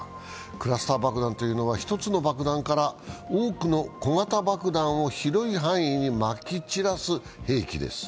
クラスター爆弾というのは１つの爆弾から多くの小型爆弾を広い範囲にまき散らす兵器です。